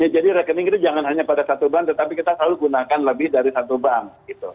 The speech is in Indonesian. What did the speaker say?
jadi rekening itu jangan hanya pada satu bank tetapi kita selalu gunakan lebih dari satu bank